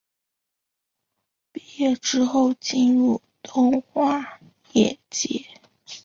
毕业之后进入动画业界。